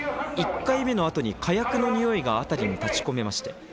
１回目の後に火薬のにおいが辺りに立ち込めました。